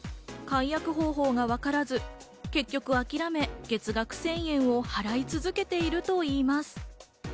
解約方法がわからず、結局諦め、月額１０００円を払い続けているといいます。